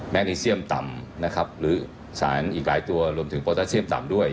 ดีเซียมต่ำนะครับหรือสารอีกหลายตัวรวมถึงโปรตาเซียมต่ำด้วย